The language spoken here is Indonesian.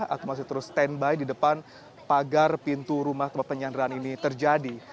atau masih terus standby di depan pagar pintu rumah tempat penyanderaan ini terjadi